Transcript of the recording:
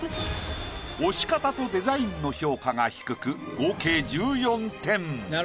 押し方とデザインの評価が低く合計１４点。